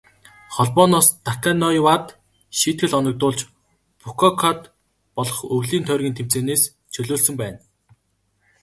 Холбооноос Таканоивад шийтгэл оногдуулж, Фүкүокад болох өвлийн тойргийн тэмцээнээс чөлөөлсөн байна.